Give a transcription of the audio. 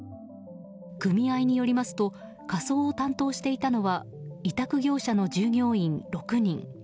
組合によりますと火葬を担当していたのは委託業者の従業員６人。